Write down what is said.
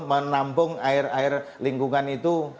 menampung air air lingkungan itu